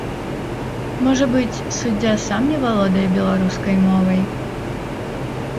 Можа быць, суддзя сам не валодае беларускай мовай?